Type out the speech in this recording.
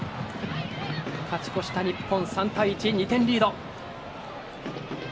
勝ち越した日本、３対１２点リード。